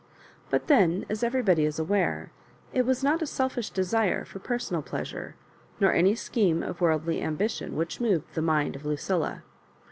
But then as everybody is aware, it was not a selfish desire for personal pleasure, nor any scheme of worldly ambition, which moved the mind of Lucilla.